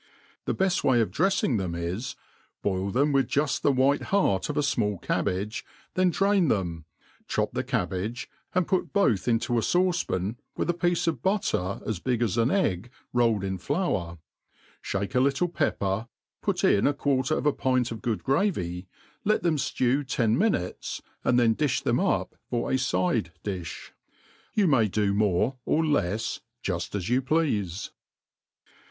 The beft way of dre/fing them 18, boil them with juft the white heart of a fmall cabbage, then drain then^, chop the cabbage, and put both into a fauce pan with a piece of butter as big as an egg, rolled in flour, {hake a little pepper, put in a quarter of a pint of good gravy, let them ftewten minutes, and then difii them up for a fide di(h. A pint of beans to the cabbage. You may do more or lefs, juft as you pleafe.